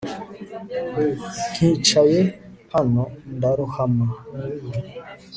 Nkicaye hano ndarohama